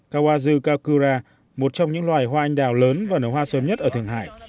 kawazu kakura một trong những loài hoa anh đào lớn và nở hoa sớm nhất ở thường hải